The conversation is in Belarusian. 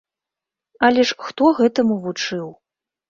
Але ж хто гэтаму вучыў?